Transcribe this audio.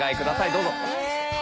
どうぞ。